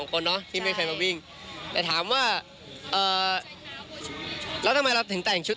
คนเนาะที่ไม่เคยมาวิ่งแต่ถามว่าแล้วทำไมเราถึงแต่งชุด